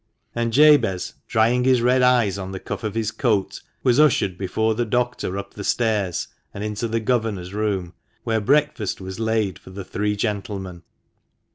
And Jabez, drying his red eyes on the cuff of his coat, was ushered before the Doctor up the stairs, and into the governor's room, where breakfast was laid for the three gentlemen.